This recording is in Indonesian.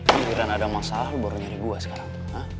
biaran ada masalah lo baru nyari gue sekarang